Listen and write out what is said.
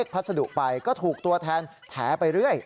พัสดุไปก็ถูกตัวแทนแถไปเรื่อย